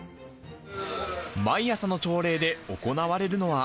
毎朝の朝礼で行われるのは。